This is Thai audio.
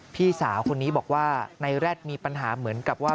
พี่สาวคนนี้บอกว่าในแร็ดมีปัญหาเหมือนกับว่า